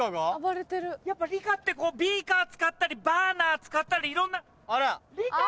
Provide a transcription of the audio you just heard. やっぱ理科ってビーカー使ったりバーナー使ったりいろんな。